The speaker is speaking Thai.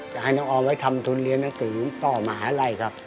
จะให้น้องออมทำทุนเรียนต่อมาอะไรครับ